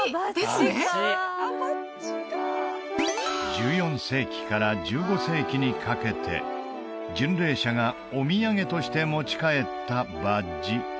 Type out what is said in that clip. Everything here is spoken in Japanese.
１４世紀から１５世紀にかけて巡礼者がお土産として持ち帰ったバッジ